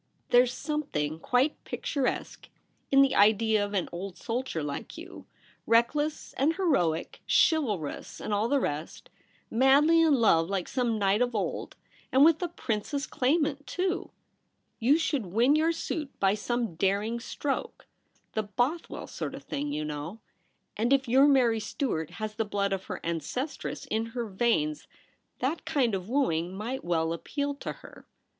There's some thing quite picturesque in the idea of an old soldierlike you, reckless and heroic, chivalrous and all the rest, madly in love like some knight of old — and with a princess claimant, too ! You should win your suit by some daring stroke — the Bothwell sort of thing, you know ; and if your Mary Stuart has the blood of her ancestress in her veins, that kind of wooing might well appeal to her.